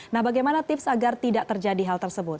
nah bagaimana tips agar tidak terjadi hal tersebut